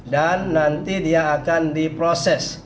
dan nanti dia akan diproses